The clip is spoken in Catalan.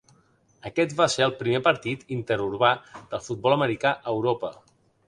Aquest va ser el primer partit interurbà del futbol americà a Europa.